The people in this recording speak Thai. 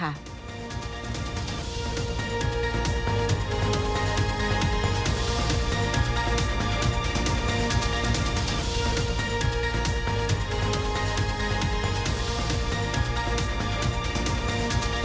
โปรดติดตามตอนต่อไป